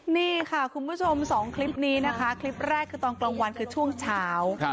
นี่ค่ะคุณผู้ชมสองคลิปนี้นะคะคลิปแรกคือตอนกลางวันคือช่วงเช้า